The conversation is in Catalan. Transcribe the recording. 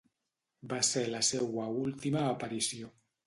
Va ser la seua última aparició.